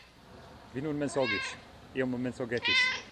Vi nun mensogis, iom mensogetis.